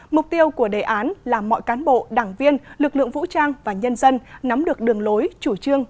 mục tiêu của đề án là mọi cán bộ đảng viên lực lượng vũ trang và nhân dân nắm được đường lối chủ trương